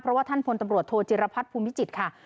เพราะว่าท่านพลตำรวจโทจิรพัฒน์ภูมิจิตรค่ะ